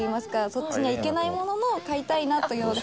そっちには行けないものの買いたいなというので。